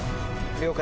了解！